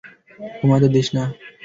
ঘুমাতে দিস না।